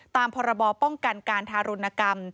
พรบป้องกันการทารุณกรรม